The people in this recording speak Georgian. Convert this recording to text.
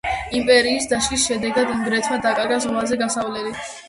იმპერიის დაშლის შედეგად უნგრეთმა დაკარგა ზღვაზე გასასვლელი.